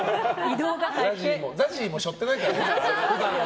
ＺＡＺＹも背負ってないからね。